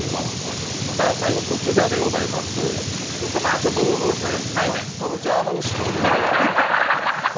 ちょっと王道ですかね。